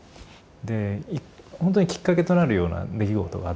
で本当にきっかけとなるような出来事があってですね